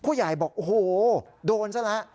ผู้ใหญ่บอกโอ้โหโดนซะละ